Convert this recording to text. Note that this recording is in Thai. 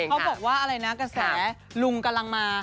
เขาบอกว่าอะไรนะกระแสลุงกำลังมา